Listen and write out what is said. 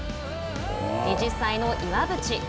２０歳の岩渕。